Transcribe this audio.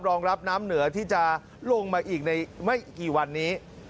รองรับน้ำเหนือที่จะลงมาอีกในไม่กี่วันนี้